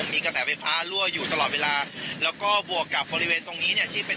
มีกระแสไฟฟ้ารั่วอยู่ตลอดเวลาแล้วก็บวกกับบริเวณตรงนี้เนี่ยที่เป็น